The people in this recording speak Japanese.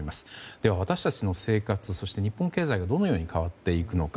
では、私たちの生活そして日本経済が、どのように変わっていくのか